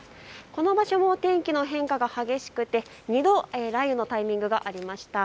この場所の天気の変化が激しくて２度、雷雨のタイミングがありました。